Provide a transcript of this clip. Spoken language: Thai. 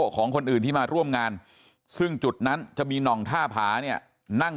ของคนอื่นที่มาร่วมงานซึ่งจุดนั้นจะมีหน่องท่าผาเนี่ยนั่ง